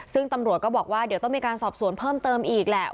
ซึ่งตำรวจก็บอกว่าเดี๋ยวต้องมีการสอบสวนเพิ่มเติมอีกแหละ